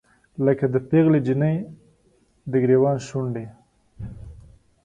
لکه د پیغلې نجلۍ، دګریوان شونډې